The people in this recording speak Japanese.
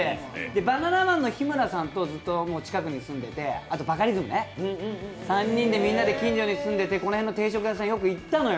バナナマンの日村さんとずっと近くに住んでてあとバカリズム、３人で近所に住んでてこの辺の定食屋さんによく行ったのよ。